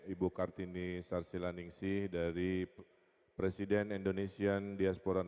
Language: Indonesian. ibu kartini sarsila ningsih dari presiden indonesian diaspora nasi